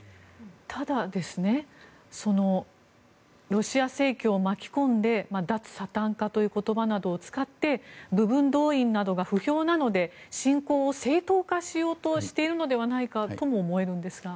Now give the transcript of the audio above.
ただロシア正教会を巻き込んで脱サタン化という言葉などを使って部分動員などが不評なので侵攻を正当化しようとしているのではないかとも思えるんですが。